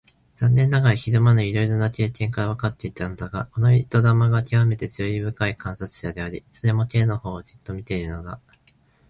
残念ながら昼間のいろいろな経験からわかっていたのだが、この糸玉がきわめて注意深い観察者であり、いつでも Ｋ のほうをじっと見ているのだ。